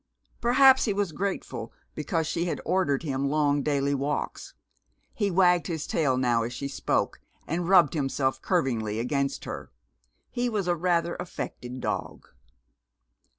Perhaps he was grateful because she had ordered him long daily walks. He wagged his tail now as she spoke, and rubbed himself curvingly against her. He was a rather affected dog.